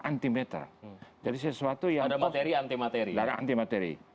anti meta jadi sesuatu yang ada materi dan anti materi ada anti materi